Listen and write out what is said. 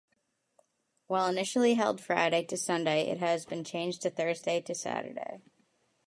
While initially held Friday to Sunday, it has been changed to Thursday to Saturday.